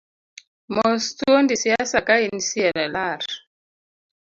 Mos thuondi siasa kain, cllr.